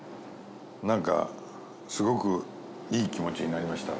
なんかすごくいい気持ちになりました。